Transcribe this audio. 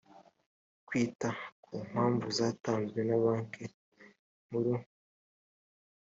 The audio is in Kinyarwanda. kwita ku mpamvu zatanzwe na banki nkuru